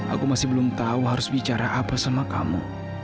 aku masih belum tahu harus bicara apa sama kamu